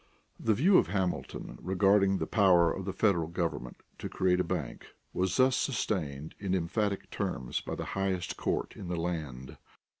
The view of Hamilton regarding the power of the federal government to create a bank was thus sustained in emphatic terms by the highest court in the land.